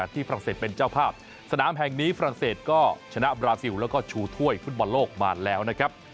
ฝรั่งเศสเป็นเจ้าภาพสนามแห่งนี้ฝรั่งเศสก็ชนะบราซิลแล้วก็ชูถ้วยฟุตบอลโลกมาแล้วนะครับ